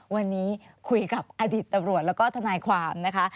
วันนี้คุยกับอดีตตำรวจแล้วก็ทนายความนะคะ